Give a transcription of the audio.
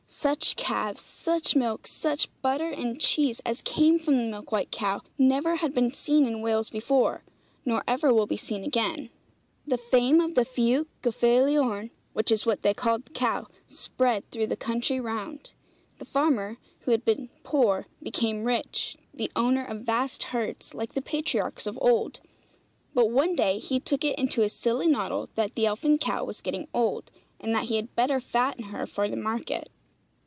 Such calves, such milk, such butter and cheese, as came from the milk white cow never had been seen in Wales before, nor ever will be seen again. The fame of the Fuwch Gyfeiliorn (which was what they called the cow) spread through the country round. The farmer, who had been poor, became rich; the owner of vast herds, like the patriarchs of old. But one day he took it into his silly noddle that the elfin cow was getting old, and that he had better fatten her for the market.